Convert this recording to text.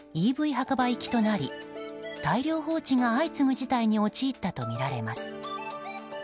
墓場行きとなり大量放置が相次ぐ事態に陥ったとみられます。